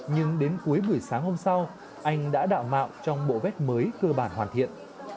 nhưng đến cuối buổi sáng hôm sau anh đã đạo mạo trong bộ vết mới cơ bản hoàn thiện